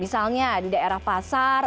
misalnya di daerah pasar